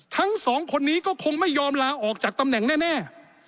ทั้งสองคนนี้ก็คงไม่ยอมลาออกจากตำแหน่งแน่